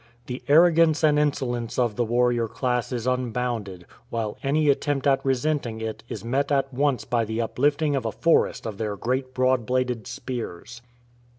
The arrogance and inso lence of the warrior class is unbounded, while any attempt at resenting it is met at once by the uplifting of a forest of their great broad bladed spears.